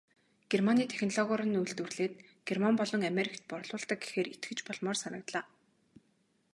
Герман технологиор нь үйлдвэрлээд Герман болон Америкт борлуулдаг гэхээр итгэж болмоор санагдлаа.